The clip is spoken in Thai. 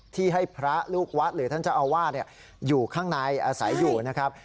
ที่ให้พระลูกวัดหรือท่านเจ้าอาวาสอยู่ข้างในอาศัยอยู่นะครับ